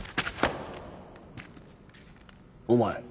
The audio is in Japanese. お前